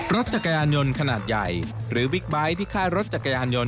รถจักรยานยนต์ขนาดใหญ่หรือบิ๊กไบท์ที่ค่ายรถจักรยานยนต